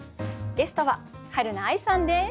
ゲストははるな愛さんです。